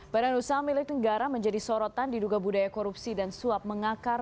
badan usaha milik negara menjadi sorotan diduga budaya korupsi dan suap mengakar